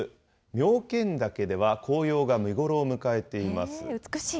妙見岳では、紅葉が見頃を迎えています。